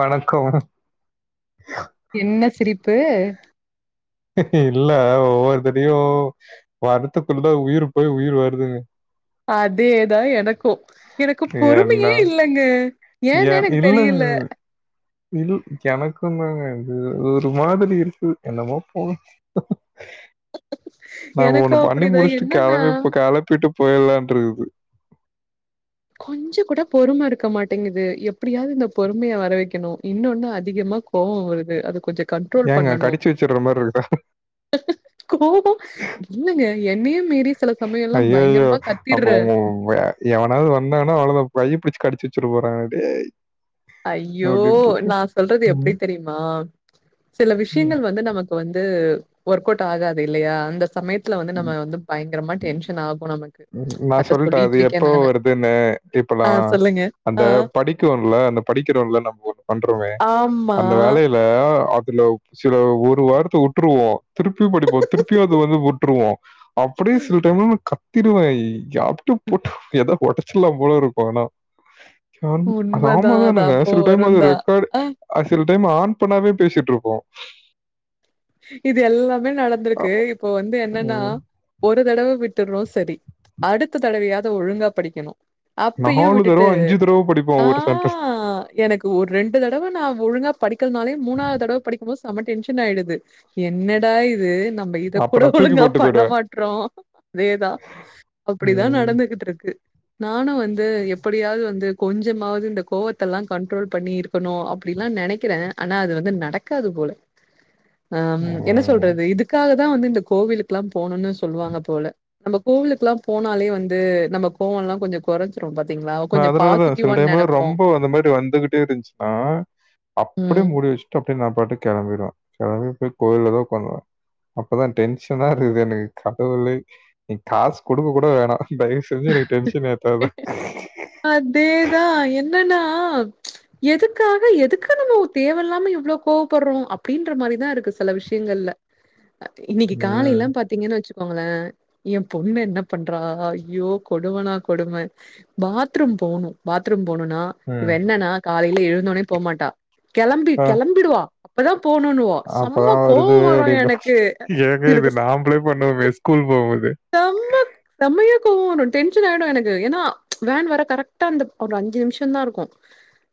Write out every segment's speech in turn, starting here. வணக்கோ என்ன சிரிப்பு இல்ல ஒவ்வொருத்திடுயு வரத்துக்குள்ள உயிர் போய் உயிர் வருதுங்க அதேதா எனக்கு எனக்கு பொறுமையே இல்லங்க ஏன்னு எர் எனக்கு இல்ல தெரியல. இல் எனக்கு தாங்க இது ஒரு மாதிரி இருக்கு என்னமோ போங்க நா ஒண்ணு எனக்கும் பண்ணி அப்படிதான் முடிச்ட்டு என்னன்னா, கிளம்பி ப்ப கிளப்பிட்டு போய்லான்ருக்குது கொஞ்சோ கூட பொறும இருக்க மாட்டேங்குது எப்டியாவுது இந்த பொறுமைய வர வக்குணு இன்னொன்னு அதிகமா கோவோ வருது அது கொஞ்ச ஏங்க கடிச்சு வச்சிட்ற மாரி இருக்கா கோவோ இல்லிங்க என்னையு மீறி சில சமயம்லாம் அய்யயோ பயங்கரமா அப்போ கத்திடுறேன். உங்க வே எவனாது வந்தானா அவ்ளோதா கைய பிடிச்சு கடிச்சு வச்ட போறாங்க டேய் ஐயோ அப்டின்ட்டு இருக்கு. நா சொல்றது எப்டி ம். தெரிமா சில ம். விஷியங்கள் வந்து நமக் கு வந்து ஒர்க் அவுட் ஆகாது இல்லையா அந்த சமயத் த்துல வந்து நம்ம வந்து பயங்கரமா டென்ஷன் ஆகு நமக்கு ம் நா அத சொல்ட்டே அது சொல்லிட்டு இருக்கே எப்போ நானு வருதுன்னு. ஆ சொல்லுங்க ஆ அ நீக்குள்ள படிக்கிறோவல்ல நம்ம ஒண்ணு பண்றோமே ஆமா. அந்த வேலையில் [unintelligible] அதுல சில ஒரு வார்த்த வுட்ருவோ திருப்பியு படிப்போ திருப்பியு அது வந்து வுட் ட்ருவோ அப்டியு சில டைம்லலா கத்திடுவ யார்டியு போட்டு ஏத ஓடச் சிலாம்போல இருக்கு ஆனா ஆம் ஆமா உண்மதான். அது தானங்க அப்போ சில டைம்லா இது ஒரு வருந்தான். ஆ [unintelligible] சில டைம் ஆன் பண்ணாமவே பேசிட்டு இருப்போ இது எல்லாமே அ நடந்திருக்கு இப்போ வந்து என்னன்னா ம் ஒரு தடவ விட்டுறொ சரி அடுத்த தடவையாது ஒழுங்கா படிக்கணு அப்பையு நாலு தடவ, விட்டுட்டு தடவ படிப்போ ஆ ஒரு சென்டன்ஸ். எனக் கு ஒரு ரெண்டு தடவ நா ஒழுங்கா படிக்கல்னாலே மூணாவ்தடவ படிக்கும் போது செம டென்ஷன் ஆயிடுது என்னடா இது நம்ம இத அப்ப கூட நா தூக்கி ஒழுங்கா போட்டு பண்ண போயிடுவே. மாட்றோ அதேதா அப்டிதா ம் நடந்துகிட்டுருக்கு நானு வந்து எப்படியாது வந்து கொஞ்சமாது இந்த கோவத்தல்லா கன்ட்ரோல் பண்ணியிருக் குணு அப்டிலா நெனைக்கிற ஆனா அது வந்து நடக்காது போல ஆ ம் என்ன சொல்றது இதுக்காக தா வந்து இந்த கோவிலுக்குலா போணுன்னு சொல்வாங்க போல நம்ம கோவிலுக்குலா போனாலே வந்து நம்ம கோவலா கொஞ்ச அதனாலதா சில டைம்லா நெனைப்போம். ரொம்ப அந்த மாரி வந்துகிட்டே இருந்துச்சின்னா அப்டியே ம். மூடி வச்சிட்டு அப்டியே நா பாட்டுக்கு கெளம்பிடுவ கெளம்பி போய் கோயிலதா உக்காந்துடுவே அப்பதா டென்ஷனா இருக்குது எனக்கு கடவுளே நீ காசு குடுக்க கூட வேணா தயவு செஞ்சி எனக்கு டென்ஷன் ஏத்தாத அதேதா என்னன்னா எதுக்காக எதுக்கு நம்மோ தேவல்லா இவ்ளோ கோவப்படுறோ அப்டின்ற மாரிதா இருக்கு செல விஷியங்கள்ல இன்னிக்கு ம். காலைலா பாத் திங்கனு வச்சுக்கோங்ளே என் பொண்ணு என்ன பண்றா ஐயோ கொடுமனா கொடும பாத்ரூம் போணு பாத்ரூம் போணுனா இவ ம். என்னன்னா காலையில எழுந்தோனே போமாட்டா கெளம்பி கெளம்பிடுவா அப்பதா போணுனுவா அப்பதா வருது அப்டின்பா ஏங்க இது எனக்கு நாம்ளே பண்ணுவமே ஸ்கூல் போம்போது ரொம்பக் சம்மையா கோவ வரு டென்ஷன் ஆயிடு எனக்கு ஏன்னா வேன் வர கரெக்டா அந்த ஒரு அஞ்சு நிமிஷம்ந்தா இருக்கு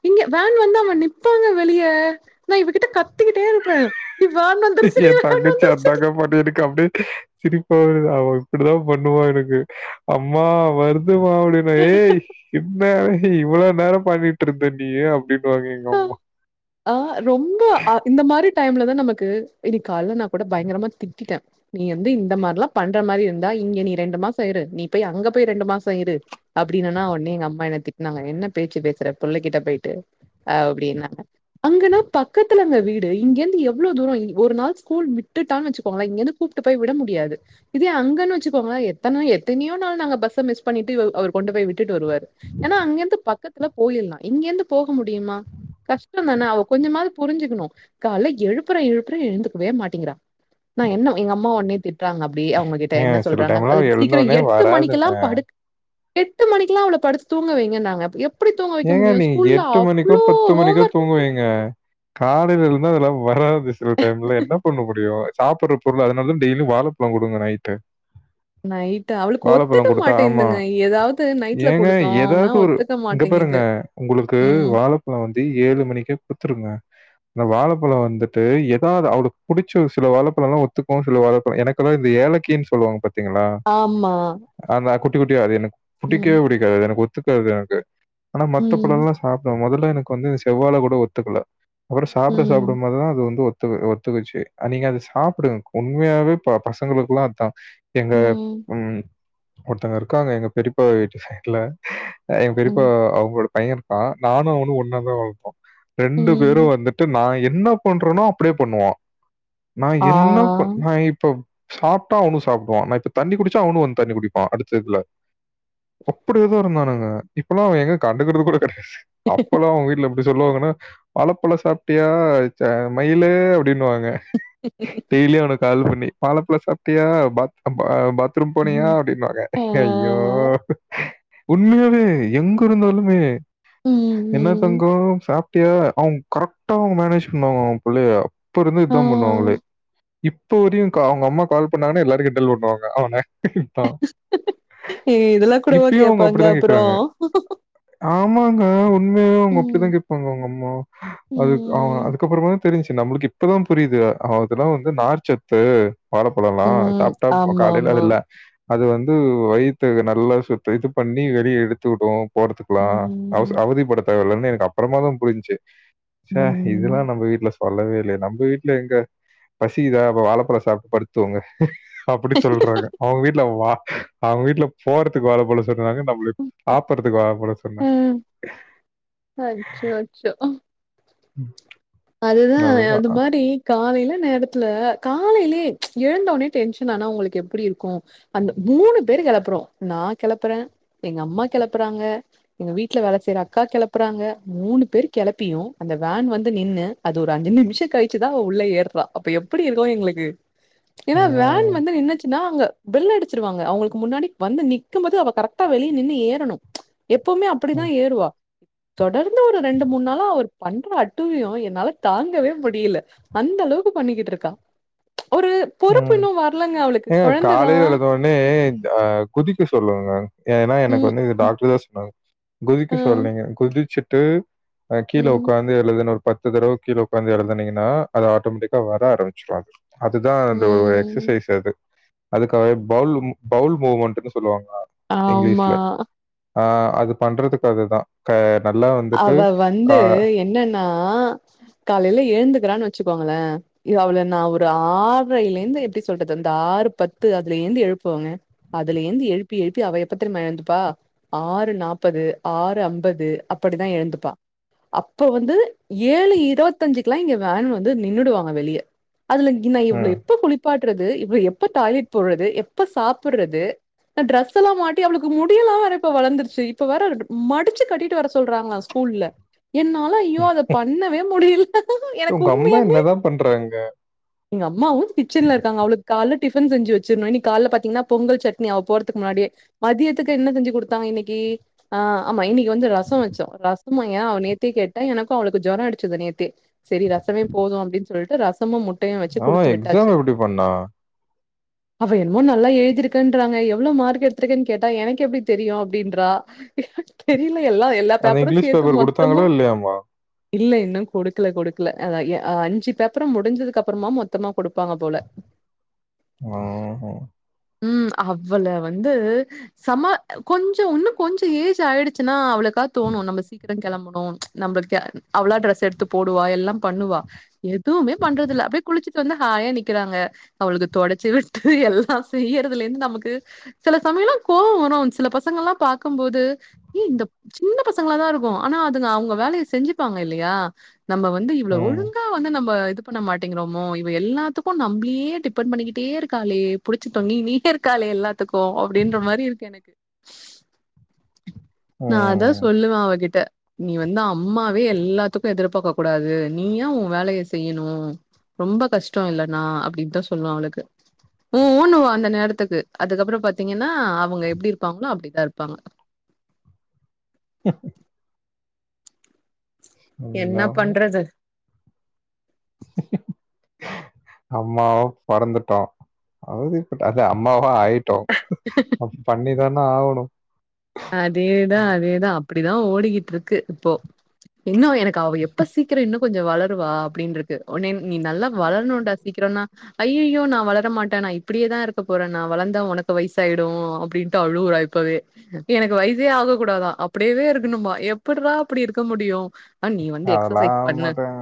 இங்க வேன் வந்து அவன் நிப்பாங்க வெளிய நா இவகிட்ட கத் என் தங்கச்சி அதாங்க வந்துருச்சு பண்ணிருக்கு அப்டே சிரிப்பா வருது அவ இப்டிதா பண்ணுவா எனக்கு அம்மா வருதுமா அப்டி ஏய் இப்பயா [unintelligible] இவ்ளோ நேரோ பண்ணிட்டு இருந்த நீ அப்டின்னுவாங்க எங்க அம்மா ஆ ரொம்ப அ இந்த மாரி டைம்லதா நமக்கு இனிக்கு கால்ல நா கூட பயங்கரமா திட்டிட்டே நீ வந்து இந்த மாரில்லா பண்ற மாரி இருந்தா இங்க நீ ரெண்டு மாசோ இரு நீ போய் அங்க போய் ரெண்டு மாசோ இரு அப்டினன்னா ஒட்னே எங்க அம்மா என்ன திட்னாங்க என்ன பேச்சு பேசுற புள்ள கிட்ட பெயிட்டு அப்டின்னாங்க அங்கன்னா பக்கத்துலங்க வீடு இங்கேர்ந்து எவ்ளோ தூரோ இ ஒரு நாள் ஸ்கூல் விட்டுட்டானு வச்சுக்கோங்களே இங்கேர்ந்து கூப்ட்டு போய் விட முடியாது இதே அங்கன்னு வச்சுக்கோங்க எத்தன எத்தினியோ நாள் நாங்க பஸ்ஸ மிஸ் பண்ணிட்டு இவ அவர் கொண்டு போய் விட்டுட்டு வருவாரு ஏனா அங்கேர்ந்து பக்கத்துல போயிருல்லா இங்கேர்ந்து போக முடி யுமா கஷ்டந்தான அவ கொஞ்சமாது புரிஞ்சிக்குணு கால்ல எழுப்புற எழுப்புற எழுந்துக்கவே மாட்டேங்கிறா நா என்ன எங்க அம்மா ஒட்னே திட்றாங்க அப்டி அவங்ககிட்ட என்ன ஏங்க சில சொல்றாங்க டைம்லாம் அதுக்கு சீக்கிர எழுந்தோனே எட்டு வராதுங்க. மணிக்கெல்லாம் படு எட்டு மணிக்லா அவள படுத்து தூங்க வைங்கன்னாங்க எப்டி தூங்க வைக்க முடியு ஸ்கூல்ல அப் ணிக்கோ பத்து மணிக்கோ தூங்க வைங்க காலைல எழுந்தா அதெல்லா வராது சில டைம்ல என்ன பண்ண முடி முடியு சாப்புற பொருள் அதனாலதா டெய்லியு வாழபழோ குடுங்க நைட்டு நைட்டு அவளுக்கு ஒத்துக்க வாழைப்பழம் குடுத்தா ஆமா. மாட்டேந்துங்க ஏதாவ்து நைட்ல ஏங்க குடுத்தோம்னா ஏதாவது ஒரு ஒத்துக்க மாட் இங்க பாருங்க உங்குளுக்கு வாழப்பழோ வந்து ஏழு மணிக்கே குடுத்துருங்க இந்த வாழப்பழோ வந்துட்டு ஏதாது அவளுக்கு புடிச்ச ஒரு சில வாழபழோலா ஒத்துக்கு சில வாழபழோ எனக் கு லா ஏலக்கினு சொல்வாங்க பாத்தீங்களா ஆமா அதா குட்டி குட்டியா அது எனக்கு புடிக்கவே ம். புடிக்காது எனக்கு ஒத்துக்காது எனக்கு ஆனா மத்த ம். பழோல்லா சாப்டுவ மொதல்ல எனக்கு வந்து செவ்வாழ கூட ஒத்துக்ல அப்றோ சாப்ட ம். சாப்டும் போதுதா அது வந்து ஒத் ஒத்து ஒத்துக்கிச்சு நீங்க அத சாப்டுங்க உண்மையாவே பசங்களுக்குல்லா அதா எங்க ம் ஒருத்தங்க இருக்காங்க எங்க பெரிப்பா வீட்டு சைட்ல இப்ப ம். அவுங்களோட பைய இருக்கா நானு அவனு ஒன்னா தா வளந்தோ ரெண்டு பேரு ம். வந்துட்டு நா என்ன பண்றோனோ அப்டியே பண்ணுவா நா ஆ. என்னப்ப நா இப்போ சாப்ட்டா அவனு சாப்டுவா நா இப்ப தண்ணி குடிச்சா அவனு வந்து தண்ணி குடிப்பா அடுத்ததுல அப்டி ஏதோ இருந்தானுங்க இப்பலா அவ எங்க கண்டுக்றது கூட கெடையாது அப்பெல்லா அவ வீட்ல எப்டி சொல்லுவாங்கன்னா வாழைப்பழோ சாப்ட்டியா மயிலு அப்டினுவாங்க டெய்லி அவனுக்கு கால் பண்ணி வாழப்பழோ சாப்ட்டியா பாத் பாத் த்ரும் போனியா ம். அப்டின்னுவாங்க ஆ. ஐயோ உண்மையாவே எங்க இருந்தாலுமே ம். என்ன ம். தந்கோ சாப் அப்டியே அவுங்க கரெக்டா அவங்க மேனேஜ் பண்ணுவாங்க அவுங்க புள்ளைய இப்ப இருந்து ஆ. இதா பண்ணுவாங்களே இப்ப வரையுக்கா அவுங்க அம்மா கால் பண்ணாங்கன்னா எல்லாரு கிண்டல் பண்ணுவாங்க அவன னதா இதெல்லா கூடவா அவங்க கேப்பாங்க அப்படிதான் அப்றோ கேட்கறாங்க. ஆமாங்க உண்மையா அவுங்க அப்டிதா ம். கேப்பாங்க அவுங்க அம்மா அது அவ ம். அதுக்கப்றமா தா தெரிஞ்ச்சு நம்மளுக்கு இப்பதா புரியுது அதெல்லா வந்து நார்ச்சத்து வாழைப்ழலா ம். சாப்ட்டா காலைல ஆமாமா. அது இல்ல அது வந்து வயித்த நல்லா சுத் இது பண்ணி வெளிய எடுத்துவுடு போரத்துக்கலா அவகர ம். அவதிப்படுத்த தேவலைன்னு எனக்கு அப்பறமாதா புரிஞ்ச்சு ச்ச இதுலா ம். நம்ம வீட்ல சொல்லவே இல்லையே நம்ம வீட்ல எங்க பசிகுதா அப்ப வாழைப்பழோ சாப்ட்டு படுத்து தூங்கு அப்டி சொல்றாங்க அவுங்க வீட்ல வா அவுங்க வீட்ல போறதுக்கு வாழப்பழொ சொல்ராங்க நம்மளு சாப்புட்றதுக்கு வாழப்ப்பழோ சொன்னா அ அச்சோ அச்சோ ம் அதுதா அது அதுதான். மாரி காலைய்ல நேரத்துல காலைய்லயே எழுந்தவொனே டென்ஷன் ஆனா உங்களுக்கு எப்டி இருக்கு அந்த மூணு பேரு கெளப்புறோ நா கெளப்புறே எங்க அம்மா கெளப்புறாங்க எங்க வீட்ல வேல செய்ற அக்கா கெளப்புறாங்க மூணு பேர் கெளப்பியு அந்த வேன் வந்து நின்னு அது ஒரு அஞ்சு நிம்ஷோ கழிச்சுதா உள்ள ஏறுறா அப்ப எப்டி இருக்கு எங்ளுக்கு ஏனா வேன் ம். வந்து நின்னுச்சுன்னா அங்க பெள் அடிச்சிருவாங்க அவுங்ளுக்கு முன்னாடி வந்து நிக்கும்போது அவ கரெக்டா வெளிய நின்னு ஏறணு எப்புவுமே அப்டிதா ம். ஏறுவா தொடர்ந்து ஒரு ரெண்டு மூணு நாளா அவ பண்ற அட்டூலியோ என்னால தாங்கவே முடில அந்த அளவுக்கு பண்ணிக்கிட்டு இருக்கா ஒரு பொறுப்பு ம். இன்னு வர்லங்க அவ்ளுக்கு கொழந்ததா னே அ குதிக்க சொல்லுங்க ஏன்னா எனக்கு ம், வந்து ம், டாக்டர் தா சொன்னாங்க குதிக்க அ, சொல்லுங்க குதிச்சிட்டு அ கீழே ம், ஒக்காந்து எழுதுனு பத்து தடவ கீழ ஒக்காந்து எழுதுனீங்கன்னா அது ஆட்டோமெட்டிக்கா வர ஆரம்பிச்சிரோ அது தா அந்த ம். எக்சசைஸ் அது அதுக்காகவே ப பவுல் மூவ்மெண்ட்ன்னு சொல்லுவாங்கலா ஆமா. இங்க்லீஷ்ல ஆ அது பண்றதுக்கு அதுதா க நல்லா வந்துட்டு கா நா காலைல எழுந்துக்கறான்னு வெச்சுக்கோங்களே இ அவ்ள நா ஒரு ஆர்றய்ல இருந்து எப்டி சொல்றது அந்த ஆறு பத்து அதுல இருந்து எழுப்புவங்க அதுல இருந்து எழுப்பி எழுப்பி அவ எப்பத்தெரிமா எழுந்துப்பா ஆறு நாப்பது ஆறு அம்பது அப்படிதா எழுந்துப்பா அப்ப வந்து ஏழு இருவத்தஞ்சுக்குலா இங்க வேன் வந்து நின்னுடுவாங்க வெளிய அதுல நா இவ்ள ம். எப்ப குளிப்பாட்டுறது இவள எப்ப டாய்லெட் போறது எப்ப சாப்புட்றது ந்த ட்ரஸுலா மாட்டி அவுளுக்கு முடியுலா வேற இப்ப வளந்துருச்சு இப்போ வேற மடிச்சு கட்டிட்டு வர சொல்றாங்க ஸ்கூல்ல என்னால ஐயோ அத பண்ணவே முடியுல எனக்கு உங்க அம்மா உண்மையாமே என்னதான் பண்றாங்க? எங்க அம்மாவு கிச்சன்ல இருக்காங்க அவுளுக்கு கால்ல டிஃபன் செஞ்சு வெச்சிர்ணோ இனி கால்ல பாத்தீங்ன்னா பொங்கல் சட்னி அவ போறதுக்கு முன்னாடியே மதியத்துக்கு என்ன செஞ்சி குடுத்தாங்க இன்னிக்கி ஆ ஆமா இன்னிக்கி வந்து ரசோ வெச் ரசமா ஏ அவ நேத்தே கேட்டா எனக்கோ அவ்ளுக்கோ ஜொரோ அடிச்சுது நேத்தே செரி ரசமே போதோ அப்டீனு சொல்லிட்டு ரசமு முட்டையு வெச்சு அவன் குடுத்து எக்ஸாம் விட்டாச்சு எப்படி பண்ணா? அவ என்னமோ நல்லா எழுதிருக்கென்றாங்க எவ்ளோ மார்க் எடுத்துருக்கேன்னு கேட்டா எனக்கு எப்டி தெரியு அப்டீன்றா தெரியுல எல்லா எல்லா அந்த பேப்பரு இங்கிலீஷ் சேத்து பேப்பர் குடுத்தாங்களோ மொத்தமா இல்லையாம்மா? இல்ல இன்னு குடுக்கல குடுக்கல அதா எ அஞ்சு பேப்பரு முடிஞ்சதுக்கப்புறமா மொத்தமா குடுப்பாங்க போல ஆஹா ம் அவ்வள வந்து சம கொஞ்சோ இன்னு கொஞ்சோ ஏஜ் ஆயிடுச்சுன்னா அவளுக்கா தோணோ நம்ம சீக்கிரோ கெளம்பணோ நம்ம க அவ்வளா ட்ரெஸ் எடுத்து போடுவா எல்லா பண்ணுவா எதுவுமே பண்றதுல்ல அப்டியே குளிச்சுட்டு வந்து ஹாயா நிக்குறாங்க அவளுக்கு தொடச்சி விட்டு எல்லா செய்யறதுல இருந்து நமக்கு சில சமயோமலா கோவோ வரோ சில பசங்கல்லா பாக்குபோது ஏ இந்த சின்ன பசங்கள தா இருக்கோ ஆனா அதுங்க அவங்க வேலய செஞ்சுப்பாங்க இல்லயா நம்ம வந்து இவள ம். ஒழுங்கா இன்னோ வந்து நம்ம இது பண்ண மாட்டேங்கிறோமோ இவ எல்லாத்துக்கு நம்புளயே டிபெண்ட் பண்ணிக்கிட்டே இருக்காளே புளிச்சிதொங்கி நீட்டயிருக்காலே எல்லாத்துக்கோ அப்டீன்ற மாதிரி இருக்கு எனக்கு நா அதா ம். சொல்லுவ அவகிட்ட நீ வந்து அம்மாவே எல்லாத்துக்கு எதிர்பாக்க கூடாது நீயா உ வேலைய செய்யணோ ரொம்ப கஷ்டோ இல்லனா அப்டீப்தா சொல்லுவ அவளுக்கு உ உ வா அந்த நேரத்துக்கு அதுக்கப்புறோ பாத்தீங்கன்னா அவுங்க எப்டி இருப்பாங்களோ அப்டிதா இருப்பாங்க எப் என்னா எல்லாமே பண்றது அம்மாவா பொறந்துட்டோ அவதி பட்டா அது அம்மாவா ஆயிட்டோ அப்ப பண்ணிதான ஆவணோ அதேதா அதேதா அப்டிதா ஓடிக்கிட்ருக்கு இப்போ இன்னு எனக் கு அவ எப்ப சீக்கிரோ இன்னு கொஞ்சோ வளருவா அப்டின்னு இருக்கு நீ நல்லா வளரணுன்டா சீக்கிரோனா ஐய்யய்யோ நா வளரமாட்ட நா இப்டியேதா இருக்க போற நா வளர்ந்தா உனக்கு வயசாயிடோ அப்டினுட்டு அழுவுறா இப் இப்பவே எனக்கு வயசே ஆக கூடாதா அப்டியேவே இருக்கணுமா எப்பிட்றா அப்டி இருக்க முடியு ஆ நீ வந்து எக்ஸசைஸ் அதெல்லாம் பண்ணு மாட்டேங்க.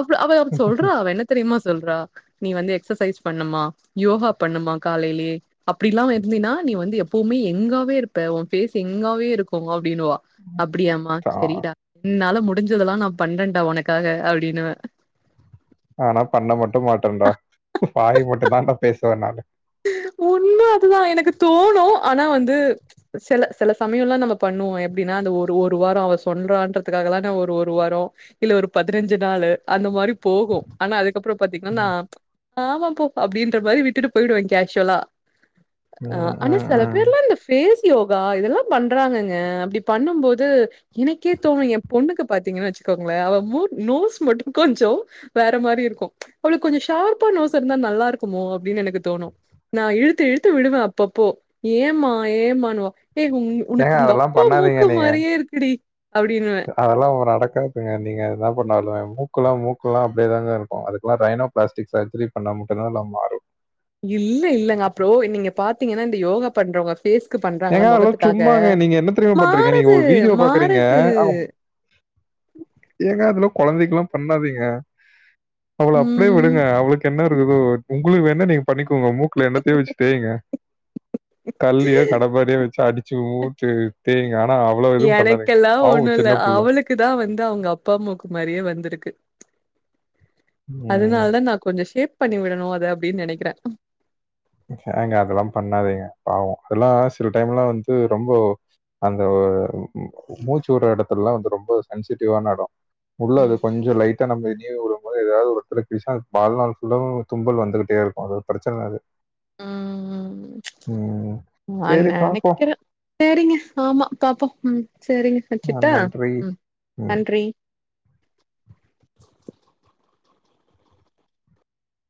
அப்டு அவம் சொல்றா அவ என்ன தெரியுமா சொல்றா நீ வந்து எக்சசைஸ் பண்ணும்மா யோகா பண்ணுமா காலையிலயே அப்டிலா வருந்தீனா நீ வந்து எப்பவுமே எங்காவே இருப் ப ஓ ஃபேஸ் எங்காவே இருக்கு அப்டினுவா அப்டியாமா ஆ செரிடா என்னால முட் டிஞ்சதெல்லா நா பண்றன்டா ஒனக்காக அப்டின்னுவே ஆனா பண்ண மட்டு மாட்டன்டா வாய் மட்டுந்தான்டா பேசுவ நானு உண்ம அதுதா எனக்கு தோணு ஆனா வந்து செல செல சமயொல்லா நம்ம பண்ணுவோ எப்டினா அந்த ஒரு ஒரு வாரோ அவ சொல்றான்றதுக்காகலா நா ஒரு ஒரு வாரோ இல்ல ஒரு பதினஞ்சு நாளு அந்த மாரி போகு ஆனா அதுக்கப்றோ பாத்தீங்னா நா ஆமா போ அப்டின்ற மாரி விட்டுட்டு பொயிடுவே கேஷ்வொலா ஆ ம், ஆனா ம், செல ம். பேர்லா இந்த ஃபேஸ் யோகா இதெல்லா பண்றாங்கங்க அப்டி பண்ணும்போது எனக்கே தோணு எஏ பொண்ணுக்கு பாத்தீங்கனு வச்சுக்கோங்ளே அவ நோஸ் மட்டு கொஞ்சோ வேற மாரி இருக்கு அவளுக்கு கொஞ்சொ ஷார்ப்பா நோஸ் இருந்தா நல்லா இருக்குமோ அப்டின் எனக்கு தோணு நா இழுத்து இழுத்து விடுவே அப்பப்போ ஏமா ஏமானுவா ஏ உன் உனக்கு ஏங்க அதெல்லாம் உங்கப்பா பண்ணாதீங்க மூக்கு மாரியே இருக்குடி அப்டின்னுவே அதெல்லா ஓரடக்காதுங்க நீங்க என்ன பண்ணாலு மூக்குலா மூக்குலா அப்டியேதாங்க இருக்கு அதுக்குலா ரைனோ பிளாஸ்டிக் சர்ஜரி பண்ணா மட்டுதா எல்லா மாறு இல்ல இல்லங்கா ப்ரோ நீங்க பாத்தீங்கனா இந்த யோகா பண்றவங்க ஃபேஸ்க்கு பண்றாங்களா ஏங்க அதெல்லாம் மொகத்துக்காக சும்மாங்க. நீங்க என்ன தெரியுமா பண்றீங்க? நீங்க மாறுது ஒரு வீடியோ பார்க்குறீங்க. மாறுது ஆமா. ஏங்க அதுலா குழந்தைக்லா பண்ணாதீங்க அவள அப்டியே ம் விடுங்க அவளுக்கு என்ன இருக்குதோ உங்களுக்கு வேணா நீங்க பண்ணிக்கோங்க மூக்ல என்னத்தயோ வச்சு தேயிங்க கல்லயோ அப்டியே வச்சி அடிச்சி ஊத்தி தேய்ங்க ஆனா அவள எது பண்ணாதிங்க பாவு சின்னப்புள்ள க்குதா வந்து அவங்க அப்பா மூக்கு மாரியே வந்துருக்கு உம் அதுனாலதா நா கொஞ்சோ ஷேப் பண்ணி விடணு அத அப்டின் நெனைக்கிறே ஏங்க அதெல்லா பண்ணாதீங்க பாவோ அதுலா சில டைம்லா வந்து ரொம்போ அந்த ஒ மூச்சு விடுற எடத்துலலா வந்து ரொம்ப சென்சிட்டிவான எடோ உள்ள அது கொஞ்சோ ம். லைட் டா நம்ம ஏதயு ஒருமுற ஏதாவது ஒரு எடத்துல கிழிசா வாழ்நாள் ஃபுல்லாவு தும்பல் வந்துகிட்டே இருக்கு அது ஒரு பிரச்சன அது உம் ம் உம் நா நெனைக்கிறே சேரிங்க ஆமா பாப்போ ம் சேரிங்க அ வைக்கட்டா நன்றி. ம் ம். நன்றி